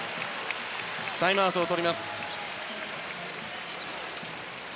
タイムアウトをとります。